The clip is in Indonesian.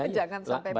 jangan sampai batal